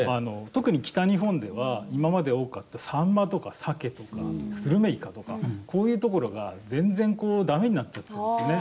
特に北日本では今まで多かった、サンマとかサケとかスルメイカとかこういうところが全然、だめになっちゃってるんですよね。